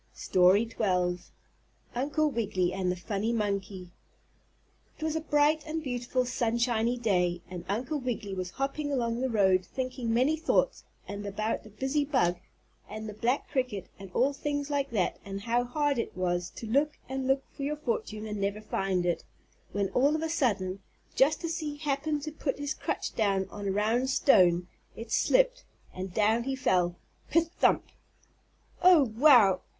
STORY XII UNCLE WIGGILY AND THE FUNNY MONKEY It was a bright and beautiful sunshiny day, and Uncle Wiggily was hopping along the road, thinking many thoughts and about the busy bug and the black cricket and all things like that and how hard it was to look and look for your fortune and never find it, when all of a sudden, just as he happened to put his crutch down on a round stone, it slipped, and down he fell kerthump. "Oh, wow!